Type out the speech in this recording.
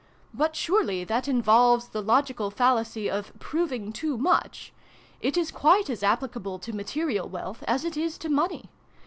" But surely that involves the logical fallacy of proving too much ? It is quite as applic able to material wealth, as it is to money.